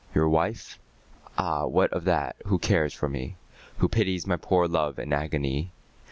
Your wife? Ah, what of that, who cares for me? Who pities my poor love and agony?